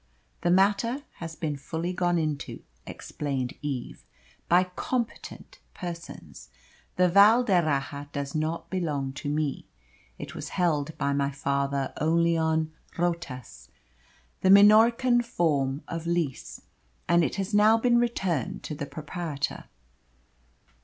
"The matter has been fully gone into," explained Eve, "by competent persons. The Val d'Erraha does not belong to me. It was held by my father only on 'rotas' the Minorcan form of lease and it has now been returned to the proprietor."